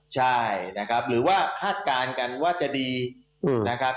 ใช่นะครับหรือว่าคาดการณ์กันว่าจะดีนะครับ